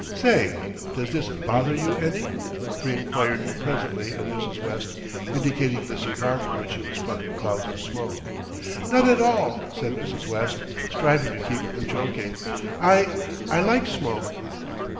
"Say, does this bother you any?" he enquired presently of Mrs. West, indicating the cigar from which he was puffing clouds of smoke. "Not at all," said Mrs. West, striving to keep from choking. "I I like smoke."